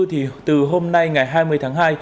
thì từ hôm nay ngày hai mươi tháng hai